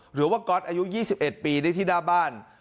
หรือว่าก๊อตอายุ๒๑ปีได้ที่หน้าบ้าน